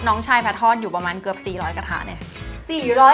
น้องชายพระทอดอยู่ประมาณเกือบ๔๐๐กระทะเลย